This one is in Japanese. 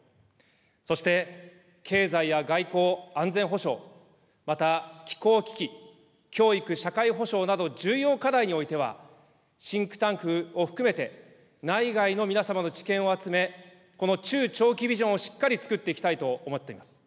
そして経済や外交、安全保障、また気候危機、教育、社会保障など重要課題においては、シンクタンクを含めて、内外の皆様の知見を集め、この中長期ビジョンをしっかりつくっていきたいと思っています。